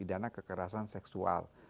tindak pidana kekerasan seksual